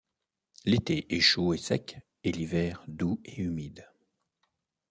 L'été est chaud et sec et l'hiver doux et humide.